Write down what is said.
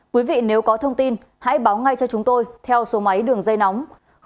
quý vị nếu có thông tin hãy báo ngay cho chúng tôi theo số máy đường dây nóng